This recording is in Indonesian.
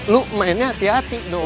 lu mainnya hati hati dong